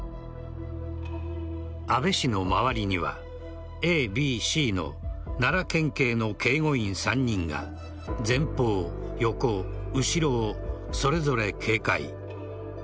安倍氏の周りにはＡ、Ｂ、Ｃの奈良県警の警護員３人が前方、横、後ろをそれぞれ警戒。